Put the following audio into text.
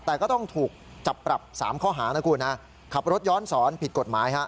แต่ก็ต้องถูกจับปรับ๓ข้อหานะคุณฮะขับรถย้อนสอนผิดกฎหมายฮะ